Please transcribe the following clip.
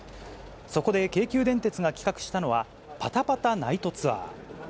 そこで、京急電鉄が企画したのは、パタパタナイトツアー。